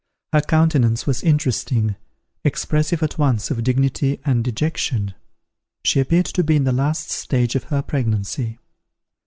Her countenance was interesting, expressive at once of dignity and dejection. She appeared to be in the last stage of her pregnancy.